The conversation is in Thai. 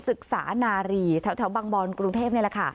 ศึกษานารีแถวบางบอนกรุงเทพนี่แหละค่ะ